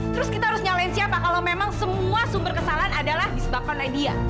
terus kita harus nyalain siapa kalau memang semua sumber kesalahan adalah disebabkan oleh dia